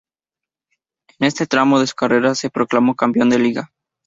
En este tramo de su carrera se proclamó campeón de liga.